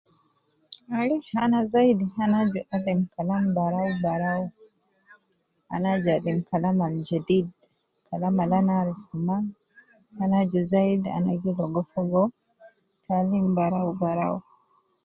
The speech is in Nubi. Ai ana zaidi, ana aju alim kalam barau barau ,ana aju alim kalam al jedid, kalam al ana aruf ma, ana aju zaidi, ana gi ligo fogo taalim bara bara